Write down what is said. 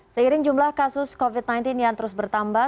seiring jumlah kasus covid sembilan belas yang terus bertambah